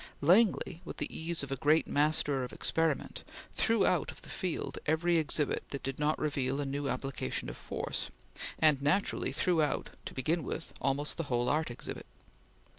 Langley, with the ease of a great master of experiment, threw out of the field every exhibit that did not reveal a new application of force, and naturally threw out, to begin with, almost the whole art exhibit.